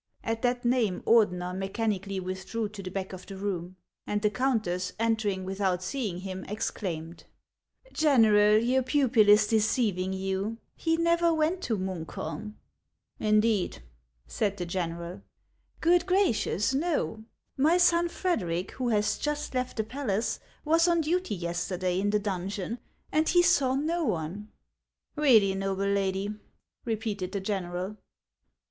At that name, Ordener mechanically withdrew to the back of the room ; and the countess, entering without see ing him, exclaimed, —" General, your pupil is deceiving you. He never went to Munkholm." " Indeed ?" said the general. " Good gracious, no ! My son Frederic, who has just left the palace, was on duty yesterday in the donjon, and he saw no one." " Really, noble lady ?" repeated the general.